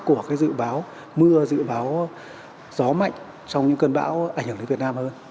của cái dự báo mưa dự báo gió mạnh trong những cơn bão ảnh hưởng đến việt nam hơn